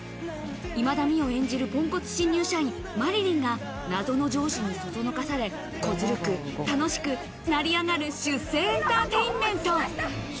今田美桜演じるポンコツ新入社員、麻理鈴が謎の上司にそそのかされ、こずるく楽しく成り上がる、出世エンターテインメント。